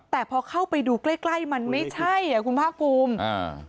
แต่พอเข้าไปดูใกล้มันไม่ใช่คุณภาคภูมิ